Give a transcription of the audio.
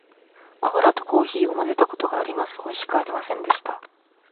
コーラとコーヒーを混まぜたことがあります。おいしくありませんでした。